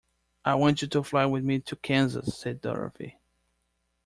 "I want you to fly with me to Kansas," said Dorothy.